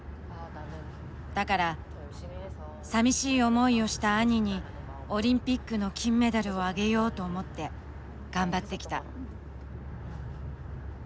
だからさみしい思いをした兄にオリンピックの金メダルをあげようと思って頑張ってきた。